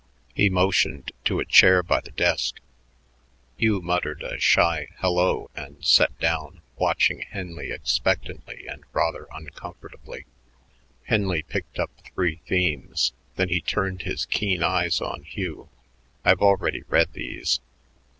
He motioned to a chair by the desk. Hugh muttered a shy "hello" and sat down, watching Henley expectantly and rather uncomfortably. Henley picked up three themes. Then he turned his keen eyes on Hugh. "I've already read these.